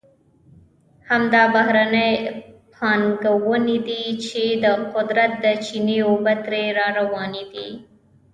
همدا بهرنۍ پانګې دي چې د قدرت د چینې اوبه ترې را روانې دي.